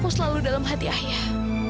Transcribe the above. aku selalu dalam hati ayah